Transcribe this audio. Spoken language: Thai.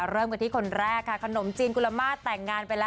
เริ่มกันที่คนแรกค่ะขนมจีนกุลมาตรแต่งงานไปแล้ว